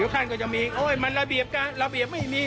ภาษาอังกฤษ